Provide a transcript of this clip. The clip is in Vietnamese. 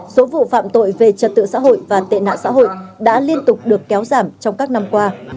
số vụ phạm tội về trật tự xã hội và tệ nạn xã hội đã liên tục được kéo giảm trong các năm qua